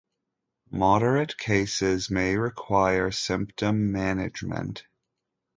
Moderate cases may require symptom management.